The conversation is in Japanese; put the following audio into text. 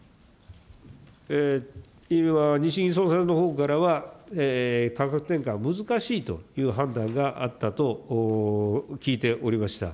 今、日銀総裁のほうからは価格転嫁は難しいという判断があったと聞いておりました。